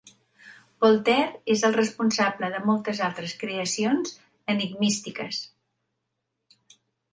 Voltaire és el responsable de moltes altres creacions enigmístiques.